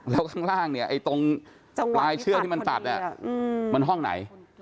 แล้วข้างล่างเนี่ยไอ้ตรงปลายเชือกที่มันตัดมันห้องไหน